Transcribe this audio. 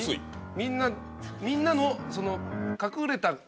みんなみんなのその。